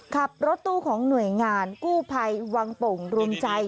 ขับรถตู้ของหน่วยงานกู้ภัยวังโป่งรวมใจ